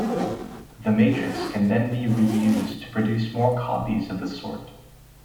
The matrix can then be reused to produce more copies of the sort.